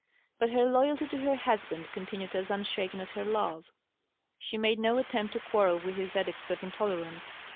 But her loyalty to her husband continued as unshaken as her love. She made no attempt to quarrel with his edicts of intolerance.